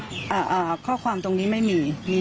อ่าข้อความตรงนี้ไม่มี